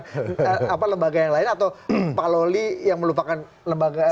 melupakan lembaga yang lain atau pak lawli yang melupakan lembaga yang lain